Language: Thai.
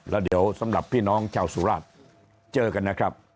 แล้วเดี๋ยวสำหรับพี่น้องชาวสุราชเจอกันนะครับ